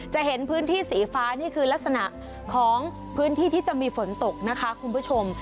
จะเห็นพื้นที่สีฟ้านี่คือลักษณะของพื้นที่ที่จะมีฝนตกนะคะคุณผู้ชม